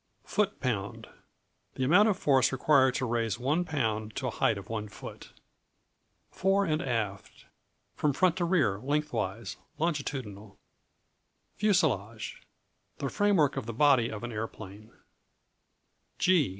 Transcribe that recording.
Footpound The amount of force required to raise one pound to a height of one foot. Fore and aft From front to rear: lengthwise: longitudinal. Fuselage The framework of the body of an aeroplane.